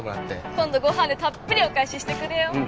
今度ご飯でたっぷりお返ししてくれよん。